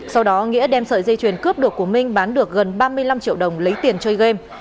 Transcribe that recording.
sau đó nghĩa đem sợi dây chuyền cướp được của minh bán được gần ba mươi năm triệu đồng lấy tiền chơi game